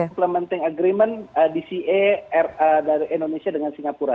implementing agreement di cera indonesia dengan singapura